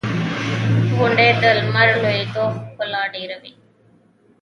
• غونډۍ د لمر لوېدو ښکلا ډېروي.